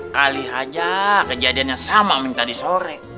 kali aja kejadian yang sama minta di sore